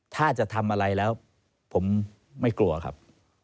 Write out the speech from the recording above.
ถ้าจะทำอะไรแล้วผมไม่กลัวครับ